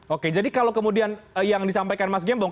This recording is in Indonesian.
oke jadi kalau kemudian yang disampaikan mas gembong